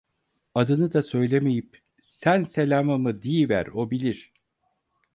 Adını da söylemeyip, "sen selamımı diyiver, o bilir!"